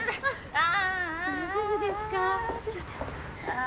ああ。